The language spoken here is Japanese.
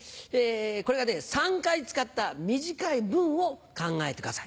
これを３回使った短い文を考えてください。